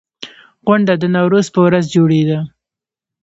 غونډه د نوروز په ورځ جوړېده.